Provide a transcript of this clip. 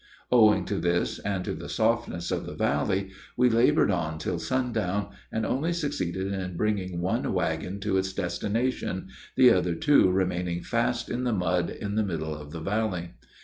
Owing to this and to the softness of the valley, we labored on till sundown, and only succeeded in bringing one wagon to its destination, the other two remained fast in the mud in the middle of the valley.